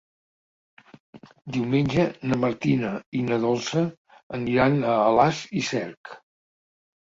Diumenge na Martina i na Dolça aniran a Alàs i Cerc.